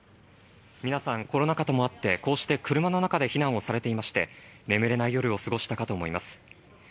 皆さんコロナ禍ともあって、こうして車の中で避難されていまして、眠れない夜を過ごしたかと思います。